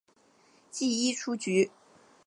记一出局。